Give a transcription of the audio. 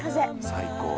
最高。